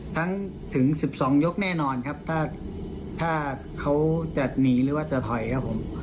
ทั้งถึง๑๒ยกแน่นอนครับถ้าเขาจะหนีหรือว่าจะถอยครับผม